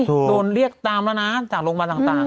โดนเรียกตามแล้วนะจากโรงพยาบาลต่าง